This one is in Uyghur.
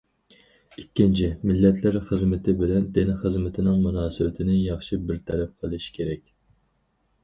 ئىككىنچى، مىللەتلەر خىزمىتى بىلەن دىن خىزمىتىنىڭ مۇناسىۋىتىنى ياخشى بىر تەرەپ قىلىش كېرەك.